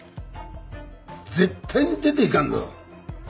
絶対に出ていかんぞ。